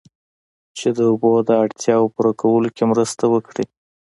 چې د اوبو د اړتیاوو پوره کولو کې مرسته وکړي